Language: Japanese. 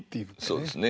そうですね。